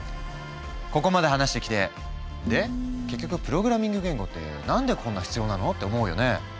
ここまで話してきてで結局プログラミング言語って何でこんな必要なの？って思うよね。